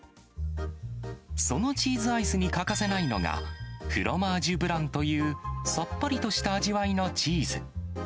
そのチーズアイスに欠かせないのが、フロマージュブランというさっぱりとした味わいのチーズ。